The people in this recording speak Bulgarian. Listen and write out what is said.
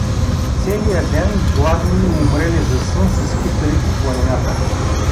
Целия ден гладни и умрели за сън се скитали по планината.